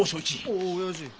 おおおやじ。